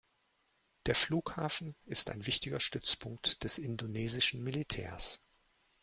Der Flughafen ist ein wichtiger Stützpunkt des indonesischen Militärs.